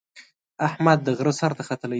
اجمد د غره سر ته ختلی دی.